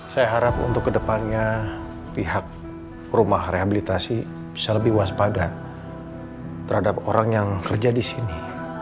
saya harap untuk kedepannya pihak rumah rehabilitasi bisa lebih waspada terhadap orang yang kerja di sini